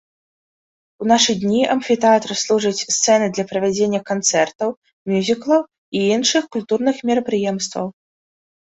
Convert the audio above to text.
У нашы дні амфітэатр служыць сцэнай для правядзення канцэртаў, мюзіклаў і іншых культурных мерапрыемстваў.